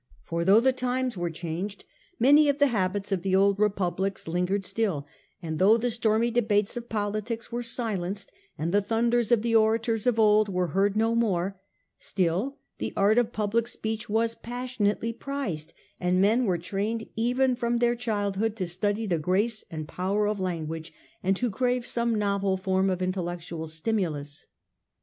For though the times were changed many of the habits of the old Republics lingered still ; and though the stormy debates of politics were silenced, and the thunders of the orators of old were heard no more^ still the art of public speech was passionately prized, and men were trained even from their childhood to study the grace and power of language, and to crave some novel form of intellectual stimulus.